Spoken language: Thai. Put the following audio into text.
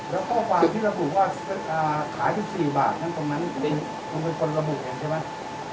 แล้วข้อความที่ระบุว่าอ่าขายสิบสี่บาทนั่นตรงนั้นจริงคุณเป็นคนระบุเองใช่ไหม